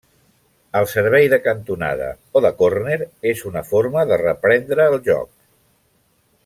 El servei de cantonada, o de córner, és una forma de reprendre el joc.